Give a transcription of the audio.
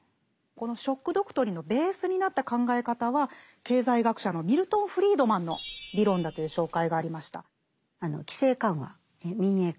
この「ショック・ドクトリン」のベースになった考え方は経済学者のミルトン・フリードマンの理論だという紹介がありました。